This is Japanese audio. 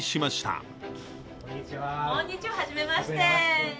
こんにちは、初めまして。